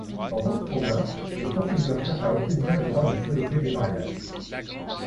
Dans d'autres provinces, des procédures cherchent à obtenir le droit de célébrer des mariages.